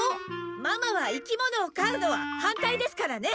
ママは生き物を飼うのは反対ですからね！